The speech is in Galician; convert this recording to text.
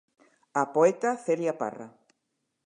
A poeta Celia Parra.